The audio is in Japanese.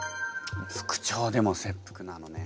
副長でも切腹なのね。